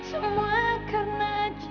semua karena cinta